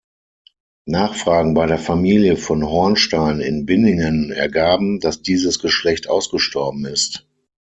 Nachfragen bei der Familie von Hornstein in Binningen ergaben, dass dieses Geschlecht ausgestorben ist.